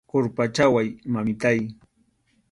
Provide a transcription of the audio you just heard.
Qurpachaway, mamitáy.